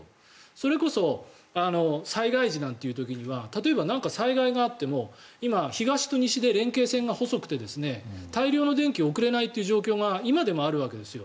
それこそ災害時なんていう時には何か災害があっても今、東と西で連系線が細くて大量の電気を送れない状況が今でもあるわけですよ。